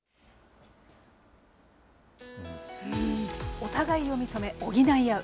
お互いを認め、補い合う。